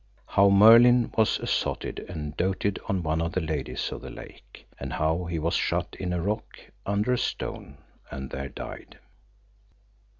How Merlin was assotted and doted on one of the ladies of the lake, and how he was shut in a rock under a stone and there died.